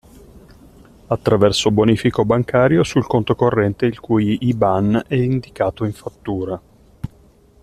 Attraverso bonifico bancario sul c/c il cui IBAN è indicato in fattura.